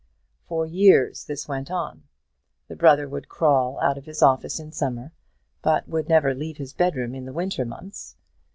For years this went on. The brother would crawl out to his office in summer, but would never leave his bedroom in the winter months.